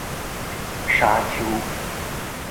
沙丘